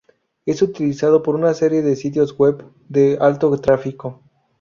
Es utilizado por una serie de sitios web de alto tráfico.